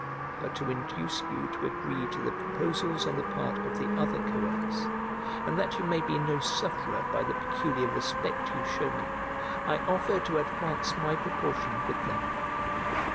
But to induce you to agree to the proposals on the part of the other co heirs, and that you may be no sufferer by the peculiar respect you shew me, I offer to advance my proportion with them."